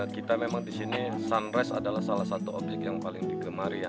kita memang di sini sunrise adalah salah satu objek yang paling digemari ya